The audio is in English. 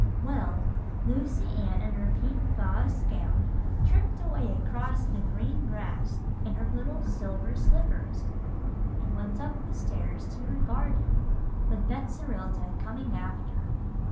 Well, Lucy Ann in her pink gauze gown tripped away across the grass in her little silver slippers, and went up the stairs to her garden with Betserilda coming after.